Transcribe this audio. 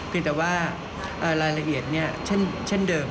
แต่ว่ารายละเอียดเช่นเดิม